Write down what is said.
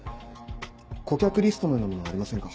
顧客リストのようなものはありませんか？